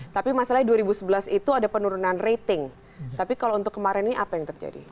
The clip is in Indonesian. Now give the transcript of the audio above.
tapi masalahnya dua ribu sebelas itu ada penurunan rating tapi kalau untuk kemarin ini apa yang terjadi